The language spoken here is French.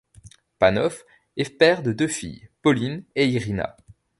Panov est père de deux filles, Pauline et Irina.